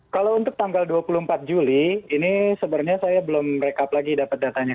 kalau untuk tanggal dua puluh empat juli ini sebenarnya saya belum rekap lagi dapat datanya